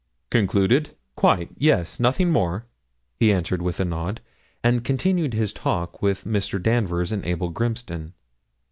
'Concluded? Quite. Yes, nothing more,' he answered with a nod, and continued his talk with Mr. Danvers and Abel Grimston.